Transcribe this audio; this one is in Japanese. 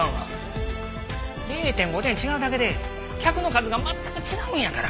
０．５点違うだけで客の数が全く違うんやから！